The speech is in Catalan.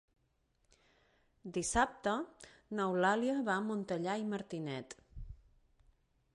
Dissabte n'Eulàlia va a Montellà i Martinet.